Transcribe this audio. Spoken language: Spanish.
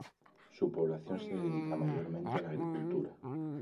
Su población se dedica mayormente a la agricultura.